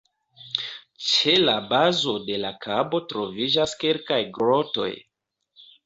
Ĉe la bazo de la kabo troviĝas kelkaj grotoj.